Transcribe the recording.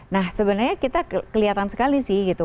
nah sebenarnya kita kelihatan sekali sih gitu